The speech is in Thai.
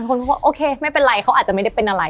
คนก็บอกโอเคไม่เป็นไรเขาอาจจะไม่ได้เป็นอะไร